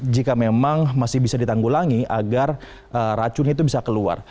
jika memang masih bisa ditanggulangi agar racun itu bisa keluar